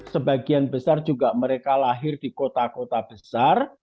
sebagian besar juga mereka lahir di kota kota besar